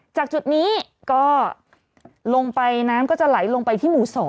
จากจุดนี้ก็ลงไปน้ำก็จะไหลลงไปที่หมู่๒